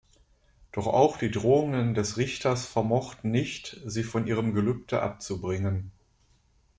Doch auch die Drohungen des Richters vermochten nicht, sie von ihrem Gelübde abzubringen.